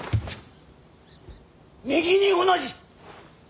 右に同じ。